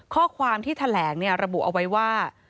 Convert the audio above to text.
ข้อความที่แถลงระบุเอาไว้ว่า